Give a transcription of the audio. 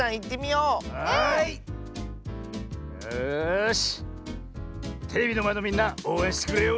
よしテレビのまえのみんなおうえんしてくれよ。